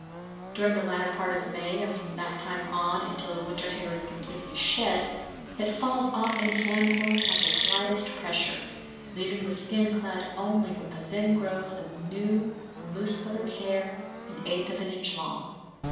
During the latter part of May, and from that time on until the long winter hair is completely shed, it falls off in handfuls at the slightest pressure, leaving the skin clad only with a thin growth of new, mouse colored hair an eighth of an inch long.